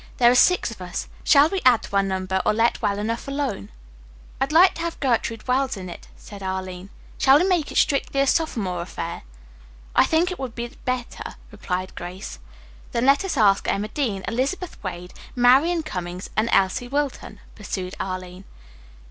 There are six of us. Shall we add to our number or let well enough alone?" "I'd like to have Gertrude Wells in it," said Arline. "Shall we make it strictly a sophomore affair?" "I think it would be better," replied Grace. "Then let us ask Emma Dean, Elizabeth Wade, Marian Cummings and Elsie Wilton," pursued Arline.